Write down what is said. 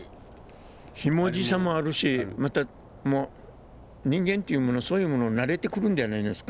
ひもじさもあるしまたもう人間っていうものそういうものに慣れてくるんではないですか？